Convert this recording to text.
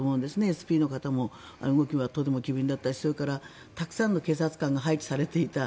ＳＰの方も動きはとても機敏だったしそれから、たくさんの警察官が配置されていた。